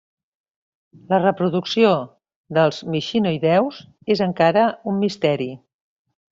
La reproducció dels mixinoïdeus és encara un misteri.